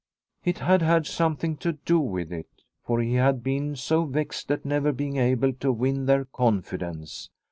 It had had something to do with it, for he had been so vexed at never being able to win their confidence.